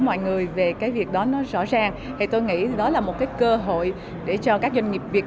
mọi người về cái việc đó nó rõ ràng thì tôi nghĩ đó là một cái cơ hội để cho các doanh nghiệp việt